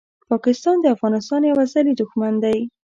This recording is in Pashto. پاکستان د افغانستان یو ازلي دښمن دی!